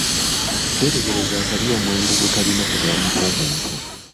Twetegereze akabi omwenge gwe kalina ku bulamu bw'omuntu.